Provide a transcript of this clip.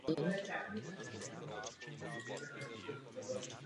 Opylení probíhá u většiny rodů větrem.